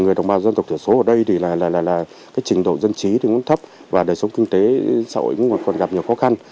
người đồng bào dân tộc thiểu số ở đây thì là cái trình độ dân trí thì cũng thấp và đời sống kinh tế xã hội còn gặp nhiều khó khăn